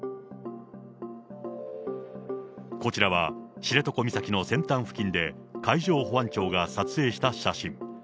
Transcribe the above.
こちらは知床岬の先端付近で、海上保安庁が撮影した写真。